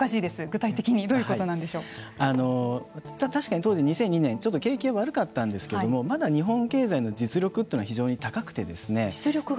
具体的に確かに、当時２００２年は景気が悪かったんですけれどもまだ日本経済の実力というのは非常に高くて。